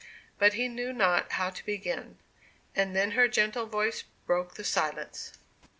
But he knew not how to begin. And then her gentle voice broke the silence.